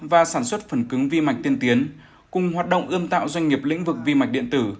và sản xuất phần cứng vi mạch tiên tiến cùng hoạt động ươm tạo doanh nghiệp lĩnh vực vi mạch điện tử